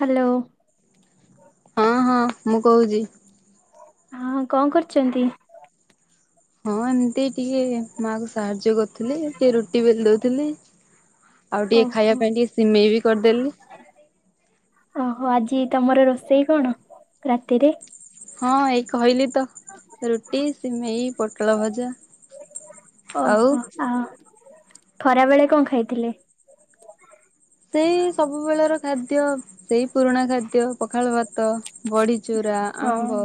Hello. ହଁ ହଁ ମୁଁ କହୁଚି। ହଁ କଣ କରୁଚନ୍ତି। ହଁ ଏମିତି ଟିକେ ମା କୁ ସାହାଯ୍ୟ କରୁଥିଲେ ଟିକେ ରୁଟି ବେଲି ଦଉଥିଲି। ଆଉ ଟିକେ ଖାଇବା ଓହୋ ପାଇଁ ଟିକେ ସିମେଇ ବି କରିଦେଲି। ଓହୋ ଆଜି ତମର ରୋଷେଇ କଣ ରାତିରେ? ହଁ ଏଇ କହିଲି ତ। ରୁଟି ସିମେଇ ପୋଟଳ ଭଜା ଆଉ ଆଉ ଖରା ବେଳେ କଣ ଖାଇଥିଲେ? ସେଇ ସବୁବେଳର ଖାଦ୍ୟ ସେଇ ପୁରୁଣା ଖାଦ୍ୟ ପଖାଳ ଭାତ। ବଡିଚୁରା ହଁ ଆମ୍ବ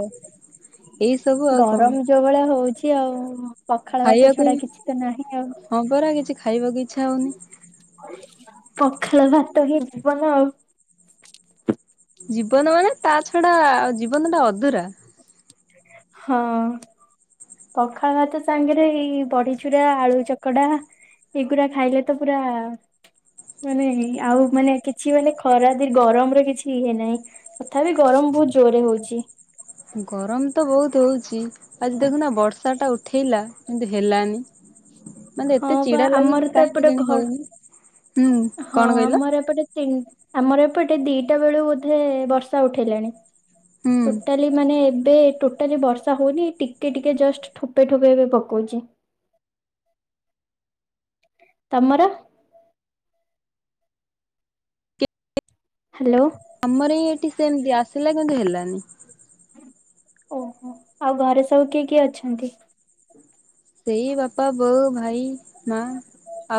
ଏଇ ସବୁ ଆଉ କଣ। ତେ ଭଳିଆ ହଉଚି। [unintelligible] ପଖାଳ ଭାତ ଖାଇବାକୁ ଛଡା କିଛି ତ ନାହିଁ ଆଉ। ହଁ ପରା କିଛି ଖାଇବାକୁ ଇଚ୍ଛା ହଉନି। ପଖାଳ ଭାତ ବି ବଲ। ଜୀବନ ମାନେ ତା ଛଡା ଜୀବନଟା ଅଧୁରା। ହଁ। ପଖାଳ ଭାତ ସାଙ୍ଗରେ ଏଇ ବଢଚୁରା ଆଳୁ ଚକଡା ଏଗୁରା ଖାଇଲେ ତ ପୁରା ମାନେ ଆଉ ମାନେ କିଛି ମାନେ ଖରାଦ ଗରମର କିଛି ଇଏ ନାହିଁ। ତଥାପି ଗରମ ବହୁତ ଜୋରରେ ହଉଚି। ଗରମତ ବହୁତ ହଉଚି ଆଜି ଦେଖୁନା ବର୍ଷାଟା ଉଠେଇଲା କିନ୍ତୁ ହେଲାନି। ମାନେ ହଁ ଏତେ ବା ଚିଡା ଆମର ଲାଗୁଛି ତ କାହିଁକି ଏପଟେ କେଜାଣି ଘ ହଉନି ହୁଁ କଣ କହିଲ? ଟିନ୍‌ଆମର ଏପଟେ ଦିଟା ବେଳୁ ବୋଧେ ବର୍ଷା ଉଠେଇଲାଣି ଟୋଟା ହୁଁ। କ୍କି ମାନେ ଏବେ ଟୋଟାଲି ବର୍ଷା ହଉନି ଟିକେ ଟିକେ ଜଷ୍ଟ ଠୋପେ ଠୋପେ ଏବେ ପକଉଚି। ତମର। ହାଲୋ। ଆମର ହିଁ ଏଠି ସେମିତି ଆସିଲା କିନ୍ତୁ ହେଲାନି। ଓହୋ ଆଉ ଘରେ ସବୁ କିଏ କିଏ ଅଛନ୍ତି? ସେଇ ବାପା ବୋଉ ଭାଇ ମା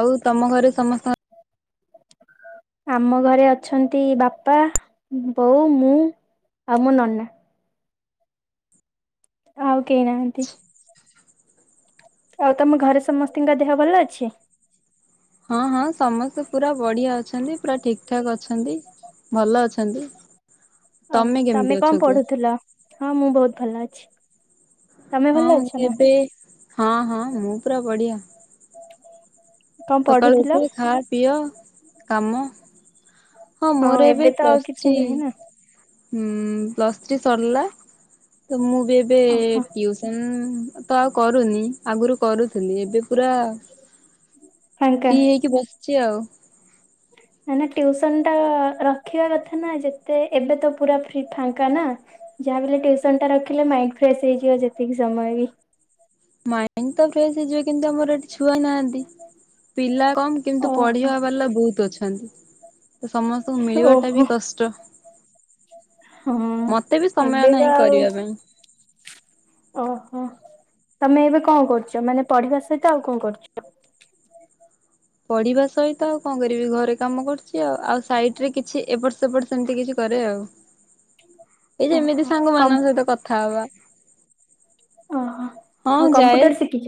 ଆଉ ତମ ଘରେ ସମସ୍ତଙ୍କ [inaudible] ଆମ ଘରେ ଅଛନ୍ତି ବାପା ବୋଉ ମୁଁ। ଆଉ ମୋ ନନା। ଆଉ କେହି ନାହାନ୍ତି। ଆଉ ତମ ଘରେ ସମସ୍ତଙ୍କ ଦେହ ଭଲ ଅଛି? ହଁ ହଁ ସମସ୍ତେ ପୁରା ବଢିଆ ଅଛନ୍ତି ପୁରା ଠିକ ଠାକ୍ ଅଛନ୍ତି। ଭଲ ଅଛନ୍ତି। ଆଉ କେମିତି ତମେ କଣ ଅଛ କୁହ ପଢୁଥିଲ ହଁ ମୁଁ ବହୁତ ଭଲ ଅଛି। ତମେ ହଁ ଭଲ ଅଛ ଙ୍ଗ ନା ଏବେ ହଁ ହଁ ମୁଁ ପୁରା ବଢିଆ। କଣ ସକାଳୁ ପଢୁଥିଲ? ଉଠି ଖାଅ ପିଅ କାମ ହଁ ମୋର ଏବେ ତ ଆଉ ପ୍ଲସ କିଛି ଥ୍ରି। ନାହିଁ ନା ହୁଁ ପ୍ଲସ୍ ଥ୍ରୀ ସରିଲା ତ ମୁଁ ଏ ଏବେ ଓହୋ ଟିଉସନ ତ ଆଉ କରୁନି ଆଗରୁ କରୁଥିଲି ଏବେ ପୁରା ଫାଙ୍କା। ଫ୍ରି ହେଇକି ବସିଛି ଆଉ। ନାଇ ନା ଟ୍ୟୁସନ ଟା ରଖିବା କଥା ନା ଯେତେ ଏବେ ତ ପୁରା ଫି ଫାଙ୍କା ନା। ଯାହାବି ହେଲେ ଟ୍ୟୁସନଟା ରଖିଲେ ମାଇଣ୍ଡ ଫ୍ରେଶ ହେଇଯିବ ଯେତିକି ସମୟ ବି। ମାଇଣ୍ଡ ତ ଫ୍ରେଶ ହେଇଯିବ କିନ୍ତୁ ଆମର ଏଠି ଛୁଆ ନାହାନ୍ତି ପିଲା କମ କିନ୍ତୁ ଓହୋ ପଢିବା ବାଲା ବହୁତ ଅଛନ୍ତି ତ ସମସ୍ତଙ୍କୁ ମିଳିବାଟା ଓହୋ। ବି କଷ୍ଟ। ହଁ ମତେ ବି ସମୟ ଏବେକା ନାହିଁ ଆଉ କରିବା ପାଇଁ। ଓହୋ ତମେ ଏବେ କଣ କରୁଛ ମାନେ ପଢିବା ସହିତ ଆଉ କଣ କରୁଛ? ପଢିବା ସହିତ ଆଉ କଣ କରିବି ଘରେ କାମ କରୁଛି ଆଉ ଆଉ ସାଇଡରେ କିଛି ଏପଟ ସେପଟ ସେମତି କିଛି କରେ ଆଉ ଏଇ ଯେମିତି ଓହୋ ସାଙ୍ଗ କମ୍ ମାନଙ୍କ ସହିତ କଥା ହବା। ଓହୋ ହଁ ଆଉ ଯାଏ। କମ୍ପ୍ୟୁଟର ଶିଖିଛ?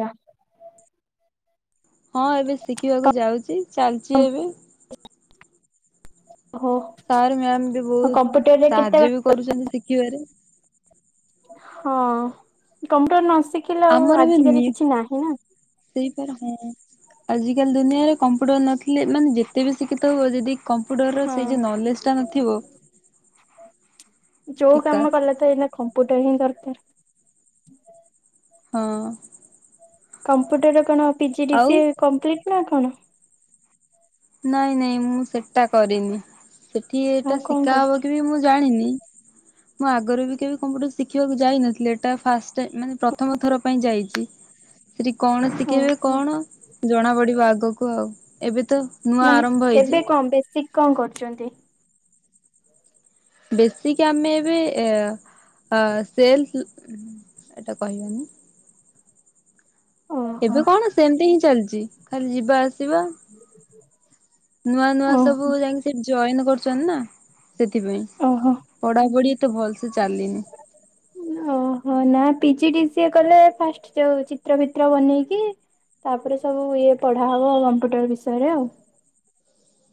ହଁ ଏବେ ଶିଖିବାକୁ ଯାଉଚି ଚାଲିଚି ଏବେ। ହ। ସାର୍ ମ୍ୟାାମ ବି ବହୁତ ସାହାଯ୍ୟ ବି କରୁଛନ୍ତି ଶିଖିବାରେ ହଁ କମ୍ପ୍ୟୁଟର ନ ଶିଖିଲେ ଆଉ ଆଜିକାଲି କିଛି ନାହିଁ ନା ସେଇପା ହୁଁ ଆଜିକାଲି ଦୁନିଆରେ କମ୍ପୁଟର ନଥିଲେ ମାନେ ଯେତେ ବି ଶିକ୍ଷିତ ଥବ ଯଦି କମ୍ପ୍ୟୁଟର ହଁ। ସେଇ ଯୋଉ ନଲେଜ ଟା ନଥିବ ଯୋଉ ଫିକା କାମ କଲେ ଏଇନା କମ୍ପ୍ୟୁଟର ହିଁ ଦରକାର। ହଁ। କମ୍ପ୍ୟୁଟରରେ କଣ ଆଉ ପିଜିଡିସିଏ କମ୍ପ୍ଲିଟ୍ ନା କଣ? ନାଇଁ ନାଇଁ ମୁଁ ସେଟା କରିନି ସେଠି ଆଉ ଏଟା କଣ ଶିକା କରୁଛ ହବ କି ବି ମୁଁ ଜାଣିନି। ମୁଁ ଆଗରୁ ବି କେବେ କମ୍ପ୍ୟୁଟର ଶିଖିବାକୁ ଯାଇନଥିଲି ଏଟା ଫାଷ୍ଟ ଟାଇମ୍ ମାନେ ପ୍ରଥମ ଥର ପାଇଁ ଯାଇଚି। ସେଠି କଣ ଶିଖେଇବେ ଓହୋ। କଣ ଜଣା ପଡିବ ଆଗକୁ ଆଉ ଏବେ ତ ନୂଆ ମାନେ ଆରମ୍ଭ ହେଇଛି ଏବେ କଣ ବେଶିକ୍ କଣ କରୁଚନ୍ତି? ବେଶିକ୍ ଆମେ ଏବେ ସେଲ୍ ଏଟା କହିବିନି ଓହୋ ଏବେ କଣ ସେମିତି ହିଁ ଚାଲିଚି ଖାଲି ଯିବା ଆସିବା ନୂଆ ନୂଆ ସବୁ ଓହୋ ଯାଇକି ସେଠ ଜଏନ୍ କରୁଛନ୍ତି ନା ସେଥିପାଇଁ ଓହୋ। ପଢାପଢି ଏତେ ଭଲ ସେ ଚାଲିନି। ଓହୋ ନା ପିଜିଡିସିଏ କଲେ ଫାଷ୍ଟ ଯୋଉ ଚିତ୍ର ଫିତ୍ର ବନେଇକି ତାପରେ ସବୁ ଇଏ ପଢା ହବ କମ୍ପ୍ୟୁଟର ବିଷୟରେ ଆଉ।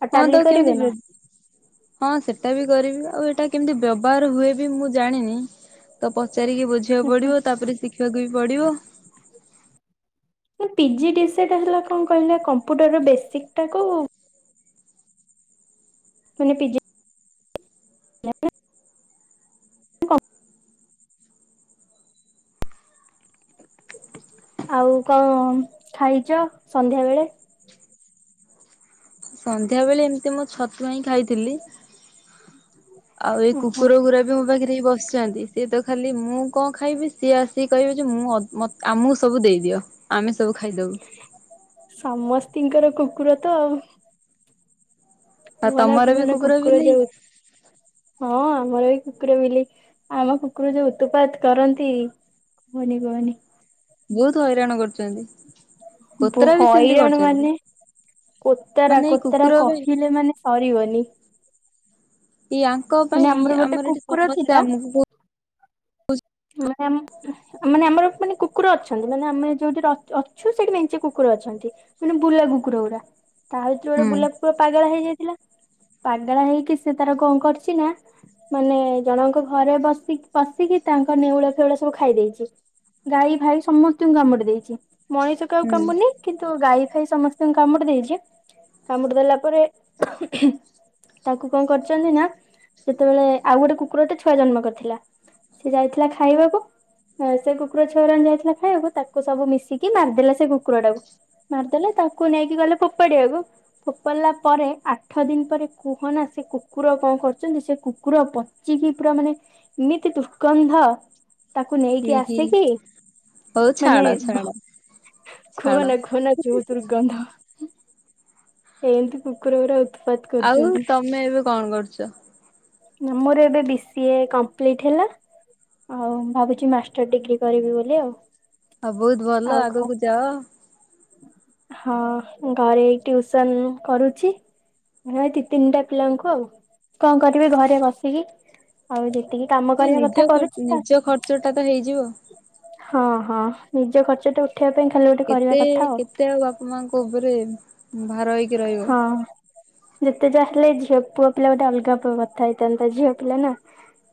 ଆଉ ହଁ ଟାଲି ତାକୁ କେମିତି କରିବେ ନା? ବେବ ହଁ ସେଟା ବି କରିବି ଆଉ ଏଇଟା କେମିତି ବ୍ୟବହାର ହୁଏ ବି ମୁଁ ଜାଣିନି। ତ ପଚାରିକି ବୁଝିବାକୁ ଓହୋ ପଡିବ ତାପରେ ଶିଖିବାକୁ ବି ପଡିବ। ପିଜିଡିସିଏ ଟା ହେଲା କଣ କହିଲେ କମ୍ପୁଟର ବେଶିକ୍ ‌ ଟା କୁ ମାନେ ପିଜିି [inaudible] ଆଉ କଣ ଖାଇଚ ସନ୍ଧ୍ୟାବେେଳେ? ସନ୍ଧ୍ୟା ବେଳେ ଏମିତି ମୁଁ ଛତୁଆ ହିଁ ଖାଇଥିଲି। ଆଉ ଏଇ ଓହୋ। କୁକୁର ଗୁରା ବି ମୋ ପାଖରେ ବସି ସିଏ ତ ଖାଲି ମୁଁ କଣ ଖାଇବି ସିଏ ଆ ସେ କହିବେ ଯେ ମୁଁ ଆମକୁ ସବୁ ଦେଇଦିଅ ଆମେ ସବୁ ଖାଇଦବୁ। ସମସ୍ତିଙ୍କର କୁକୁରତ ଆଉ। ଆଉ ତମର ବି [unintelligible] କୁକୁର ବିଲେଇ ଯୋଉ ହଁ ଆମର ବି କୁକୁର ବିଲେଇ ଆମ କୁକୁର ଯୋଉ ଉତୁପାତ କରନ୍ତି କୁହନି କୁହନି। ବହୁତ୍ ହଇରାଣ କରୁଚନ୍ତି ବୋ କୋତରାବି ସେମିତି ହଇରାଣ ମାନେ କରଚନ୍ତି। କୋତରା କୋତରା କହିଲେ ମାନେ ସରିିବନି। ଇଆଙ୍କ ମାନେ ପାଇଁ ଗୋଟେ ଆମର ଏଠି କୁକୁର ସମସ୍ୟା ଥିଲା ଆମକୁ ବହୁ [unintelligible] ମାନେ ଆମର ମାନେ କୁକୁର ଅଛନ୍ତି ମାନେ ଆମେ ଯୋଉଠି ଅଛୁ ସେଠି ମେଞ୍ଚେ କୁକୁର ଅଛନ୍ତି। ମାନେ ବୁଲା କୁକୁର ଗୁଡ଼ା ତାଭିତରୁ ଗୋଟେ ହୁଁ ବୁଲା କୁକୁର ପାଗଳା ହେଇଯାଇଥିଲା ପାଗେଳା ହେଇକି ସେତାର କଁ କରିଚିନା ମାନେ ଜଣଙ୍କ ଘରେ ବସି ପଶିକି ତାଙ୍କ ନେଉଳ ଫେଉଳ ସବୁ ଖାଇ ଦେଇଚି ଗାଈ ଫାଇ ସମସ୍ତଙ୍କୁ କାମୁଡ଼ି ଦେଇଚି ତା ମଣିଷ କାଆକୁ ହୁଁ କାମୁଡ଼ିନି? କିନ୍ତୁ ଗାଈ ଫାଇ ସମସ୍ତଙ୍କୁ କାମୁଡ଼ି ଦେଇଚି କାମୁଡ଼ି ଦେଲା ପରେ ତାକୁ କଣ କରିଚନ୍ତିନା ଯେତେବେଳେ ଆଉ ଗୋଟେ କୁକୁରଟେ ଛୁଆ ଜନ୍ମ କରିଥିଲା ସେ ଯାଇଥିଲା ଖାଇବାକୁ ହଁ ସେ କୁକୁର ଛୁଆ ଗୁରାଙ୍କୁ ଦିଆହେଇଥିଲା ଖାଇବାକୁ ତାକୁ ସବୁ ମିଶିକି ମାରିଦେଲା ସେ କୁକୁର ଟାକୁ ମାରିଦେଲେ ତାକୁ ନେଇକି ଗଲେ ଫୋପାଡ଼ିଆକୁ ଫୋପଡ଼ିଲା ପରେ ଆଠ ଦିନି ପରେ କୁହନା ସେ କୁକୁର କଣ କରୁଚନ୍ତି ସେ କୁକୁର ପ ଚିକି ପୁରା ମାନେ ଏମିତି ଦୁଷ୍ଗନ୍ଧ ତାକୁ ହି ନେଇକି ହି ଆସିକି ହଉ ମାନେ ଛାଡ ଛାଡ ଛାଡ ଖୁହନା ଖୁହନା ଯୋଉ ଦୁର୍ଗନ୍ଧ ଏମିତି କୁକୁର ଅରା ଉତୁ ଆଉ ତମେ ଏବେ କଣ କରୁଚ? ମୋର ଏବେ ବି ସି ଏ କମ୍ପ୍ଲିଟ ହେଲା ଆଉ ଭାବୁଚି ମାଷ୍ଟର ଡିଗ୍ରୀ କରିବି ବୋଲି ଆଉ। ହଉ ବହୁତ ଭଲ ଆଉ ଘ ଆଗକୁ ଯାଅ। ହଁ ଘରେ ଟିଉସନ୍ କରୁଛି। ହଁ ଦି ତିନିଟା ପିଲାଙ୍କୁ ଆଉ କଣ କରିବି ଘରେ ବସିକି ଆଉ ଯେତିକି କାମ ହଁ କରିବା ନିଜ କଥା କରୁଚି ନିଜ ଖର୍ଚ୍ଚ ତାସହିତ ଟା ତ ହେଇଯିବ। ହଁ ହଁ ନିଜ ଖର୍ଚ୍ଚତ ଉ ଖଖିବା ପାଇଁ ଖାଲି ଗୋଟେ କରିବା କେତେ କଥା କେତେ ଆଉ ବାପା ମାଙ୍କ ଉପରେ ଭାର ହେଇକି ରହିବ। ହଁ। ଯେତେ ଯାହା ହେଲେ ଝିଅ ପୁଅ ପିଲା ଗୋଟେ ଅଲଗା କଥା ହେଇଥାନ୍ତାନା ଝିଅ ପିଲାନା।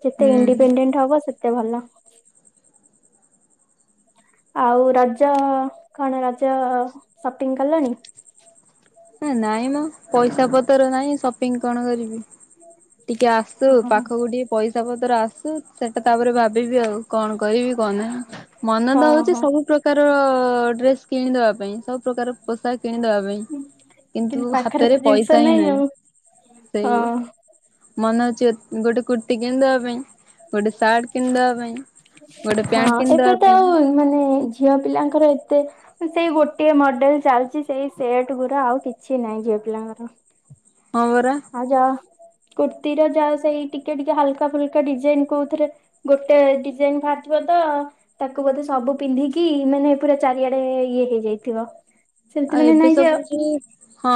ଯେତେ ହୁଁ ଇଣ୍ଡିପେଣ୍ଡେଣ୍ଟ ହବ ସେତେ ଭଲ। ଆଉ ରଜ କଣ ରଜ ସପିଂ କଲଣି? ଏନାଇଁ ମୋ ପଇସା ପତର ନାଇଁ ସପିଂ କଣ କରିବି। [inaudible] ଟିକେ ଆସୁ ହଁ। ପାଖକୁ ଟିକେ ପଇସା ପତ୍ର ଆସୁ ସେଟା ତାପରେ ଭାବିବି ଆଉ କଣ କରିବି କଣ ନାହିଁ। ମନତ ହଁ ଦଉଚି ହଁ। ସବୁ ପ୍ରକା ପ୍ରକାର ଡ୍ରେସ୍ କିଣିଦବା ପାଇଁ ସବୁ ପ୍ରକାର ପୋଷାକ କିଣିଦବା ପାଇଁ। କିନ୍ତୁ ପାଖରେ ହାତରେ ତ ଜିନିଷ ପଇସାହିଁ ନାହିଁ ଆଉ। ହଁ ସେଇବା ମନେ ଅଉଛି ଗୋଟେ କୁର୍ତ୍ତି କିଣିଦବା ପାଇଁ ଗୋଟେ ସାର୍ଟ କିଣିଦବା ପାଇଁ ଗୋଟେ ହଁ ପ୍ୟାଣ୍ଟ ଏବେ ତ କିଣିଦବା ପାଇଁ। ଆଉ ମାନେ ଝିଅ ପିଲାଙ୍କର ଏତେ ସେଇ ଗୋଟିଏ ମଡେଲ ଚାଲିଛି ସେଇ ସେଟ ଗୁରା ଆଉ କିଛି ନାହିଁ ଝିଅ ପିଲାଙ୍କର। ହଁ ପରା। ଆଉ ଯାହା କୁର୍ତ୍ତିୀର ଯାହା ସେଇ ଟିକେ ଟିକେ ହାଲକା ଫୁଲକା ଡିଜାଇନ କହୁଉଥିରେ ଗୋଟେ ଡିଜାଇନି ବାହାରିଥିବ ତ ତାକୁ ବୋଧେ ସବୁ ପିନ୍ଧିକି ମାନେ ପୁରା ଚାରିଆଡେ ଇଏ ହେଇଯାଇଥିବ। ସେମିତି ଆଉ ମାନେ ଏବେ ନାଇଁ ଯେ ସବୁ ଯୋଉଁ ହଁ।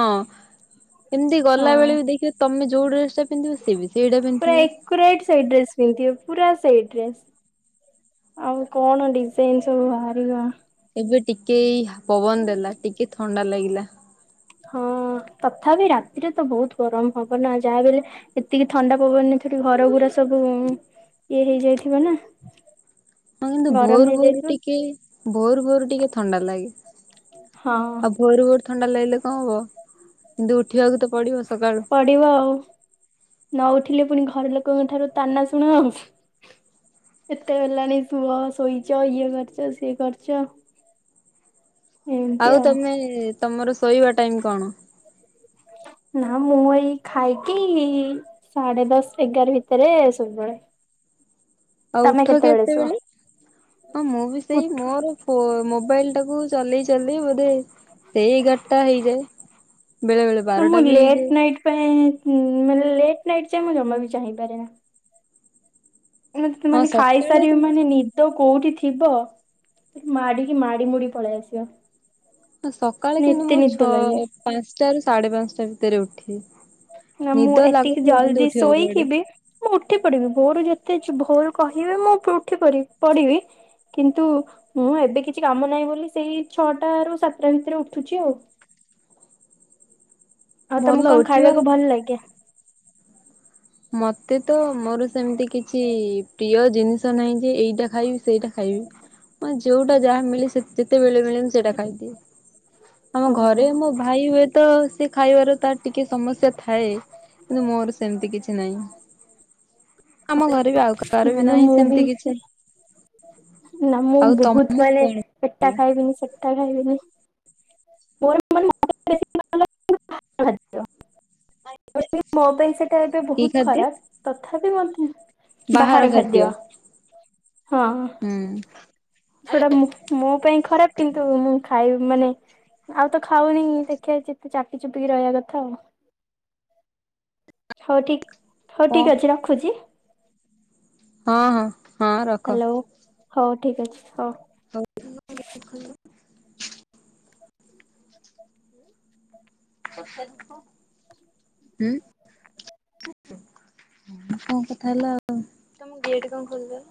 ଏମିତି ହଁ ଗଲାବେଳେ ବି ଦେଖିବ ତମେ ଯୋଉଡ୍ରେସ ଟା ପିନ୍ଧିବ ସେ ବି ସେଇଟା ପୁରା ପିନ୍ଧିବେ। ଏକରେଟ ସେଇ ଡ୍ରେସ ପିଧିଥିବେ ପୁରା ସେଇ ଡ୍ରେସ। ଆଉ କଣ ଡିଜାଇନ ସବୁ ହାରିବା। ଏବେ ଟିକେ ଏଇ ପବନ ଦେଲା ଟିକେ ଥଣ୍ଡା ଲାଗିଲା। ହଁ ତଥାପି ରାତିରେ ତ ବହୁତ ଗରମ ହବ ନା ଯାହା ବି ହେଲେ। ଏତିକି ଥଣ୍ଡା ପବନରେ ଫେରେ ଘରଘୁରା ସବୁ ଇଏ ହେଇଯାଇଥିବ ନା? ହଁ କିନ୍ତୁ ଗରମ ଭୋର ଭୋରୁ ହେଇଯାଇଥିବ ଟିକେ ଭୋର ଭୋରୁ ଟିକେ ଥଣ୍ଡା ଲାଗେ। ହଁ। ଆଉ ଭୋରୁ ଭୋରୁ ଥଣ୍ଡା ଲାଗିଲେ କଣ ହବ କିନ୍ତୁ ଉଠିବାକୁ ତ ପଡିବ ସକାଳୁ। ପଡିବ ଆଉ ନ ଉଠିଲେ ପୁଣି ଘର ଲୋକଙ୍କ ଠାରୁ ତାନା ଶୁଣ ଆଉ। ଏତେ ହେଲାନି କୁହ ସୋଇଛ ଇଏ କରିଚ ସିଏ କରିଚ। ଆଉ ତମେ ତମର ଶୋଇବା ଟାଇମ କଣ? ନା ମୁଁ ଏଇ ଖାଇକି ସାଢେ ଦଶ ଏଗାର ଭିତରେ ସୋଇପଡ଼େ। ଆଉ ଉଠ କେତେବେଳେ କେତେ ହଁ ମୁଁ ବି ସେଇ ଉଠ ମୋର ହ ମୋବାଇଲି ଟାକୁୁ ଚଲେଇ ଚାଲେଇ ବୋଧେ ସେଇଗାର ଟା ହେଇଯାଏ। ବେଳେ ବେଳେ ତ ବାରଟା ମୁଁ ବି ହେଇଯାଏ ଲେଟ୍ ନାଇଟ୍ ପାଇଁ ମାନେ ଲେଟ୍ ନାଇଟ୍ ଯାଏ ମୁଁ ଜମା ବି ଚାହିଁପାରେ ନା। ହଁ [inaudible] ସକାଳେ ଖାଇସାରିବି କିନ୍ତୁ ମାନେ ନି ତ କୋଉଠି ଥିବ ମାଡିକି ମାଡି ମୁଡି ପଳେଇ ଆସିବା। ସକାଳେ କିନ୍ତୁ ମୁଁ ଛ ଲାଗେ ପାଞ୍ଚଟା ର ସାଢେ ପାଞ୍ଚଟା ଭିତରେ ଉଠେ। ନା ମୁଁ ନିଦ ଏତିକି ଲାଗୁଥିବ କିନ୍ତୁ ଜଲଦି ଉଠିବାକୁ ପଡେ ଶୋଇକିବି? ମୁଁ ଉଠି ପଢିବି ଭୋରୁ ଯେତେ ଭୋଲ କହିବେ ମୁଁ ଉଠିି ପଢିବି। କିନ୍ତୁ ମୁଁ ଏବେ କିଛି କାମ ନାହିଁ ବୋଲି ସେଇ ଛଅଟା ରୁ ସାତଟା ଭିତରେ ଉଠୁଛି ଆଉ। ଆଉ ଭଲ ତମକୁ କଣ ଉଠିବା ଖାଇବାକୁ ଭଲ ଲାଗେ? ମତେ ତ ମୋର ସେମିତି କିଛି ପ୍ରିୟ ଜିନିଷ ନାହିଁ। ଯେ ଏଇଟା ଖାଇବି ସେଇଟା ଖାଇବି ମାନେ ଯୋଉଟା ଯାହା ମିଳେ ସେ ଯେତେବେଳେ ମିଳେ ମୁଁ ସେଇଟା ଖାଇଦିଏ ଆମ ଓହୋ ଘରେ ମୋ ଭାଇ ହୁଏ ତ ସେ ଖାଇବାର ତାର ଟିକେ ସମସ୍ୟା ଥାଏ କିନ୍ତୁ ମୋର ସେମିତି କିଛି ଆମ ଘରେ ବି ଆଉ କାହାର ନା ବି ନା ନାହିଁ ମୁଁ ବି ସେମିତି କିଛି। ନା ମୁଁ ଆଉ ବହୁତ ତମକୁ ମାନେ କଣ ପେଟା ଖାଇବିନି ସେ ଖାଇଦି [unintelligible] [unintelligible] ମୋ ପାଇଁ ସେଟା ଏବେ କି ବହୁତ ଖାଦ୍ୟ ଖରାପ। ତଥାପି ମତେ ବାହାର ଖାଦ୍ୟ ହଁ। ଛୋଟା ମୋ ପାଇଁ ଖରାପ କିନ୍ତୁ ମୁଁ ଖାଇ ମାନେ ଆଉ ତ ଖାଉନି ଦେଖିବା ଏତେ ଚାପି ଚୁପିକି ରହିବା କଥା ଆଉ। ହଉ ଠିକ ହଉ ହୁଁ। ଠିକ ଅଛି ରଖୁଛି? ହଁ ହଁ। ରଖ ହ୍ୟାଲୋ ହଉ ଠିକ ଅଛି ହଉ ହଉ ହୁଁ। ଆ କଣ କଥା ହେଲା ଆଉ ତମ ଗେଟ କଣ ଖୋଲଛ?